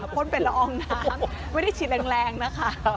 พ่นเป็นละอองน้ำไม่ได้ฉีดแรงนะคะ